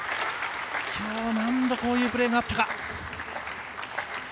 今日、何度こういうプレーがあったか。